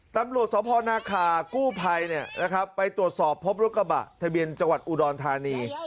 ตำรวจสพนาคากู้ภัยไปตรวจสอบพบรถกระบะทะเบียนจังหวัดอุดรธานี